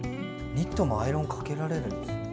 ニットもアイロンかけられるんですね。